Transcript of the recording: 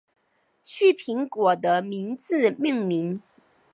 旭苹果的名字命名。